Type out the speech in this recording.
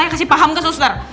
kasih paham ke suster